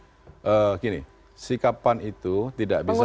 eee gini sikapan itu tidak bisa